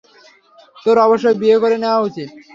তোর অবশ্যই বিয়ে করে নেয়া উচিত।